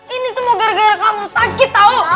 ini semua gara gara kamu sakit tau